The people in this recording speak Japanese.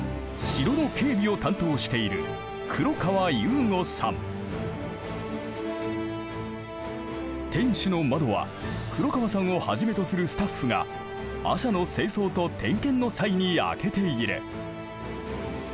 城の警備を担当している天守の窓は黒川さんをはじめとするスタッフが朝の清掃と点検の際に開けている。